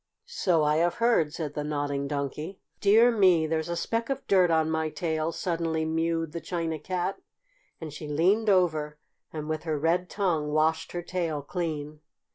"So I have heard," said the Nodding Donkey. "Dear me! there's a speck of dirt on my tail," suddenly mewed the China Cat, and she leaned over, and with her red tongue washed her tail clean.